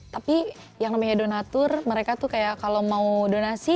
tapi yang namanya donatur mereka tuh kayak kalau mau donasi